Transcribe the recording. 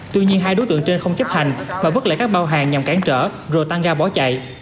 tuy nhiên hai đối tượng trên không chấp hành mà vứt lại các bao hàng nhằm cản trở rồi tăng ga bỏ chạy